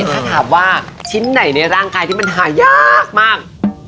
ถ้าถามว่าชิ้นไหนในร่างกายที่มันหายากมาก